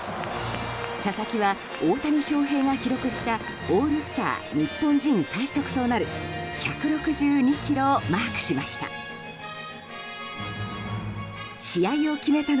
佐々木は、大谷翔平が記録したオールスターでの日本人最速となる１６２キロをマークしました。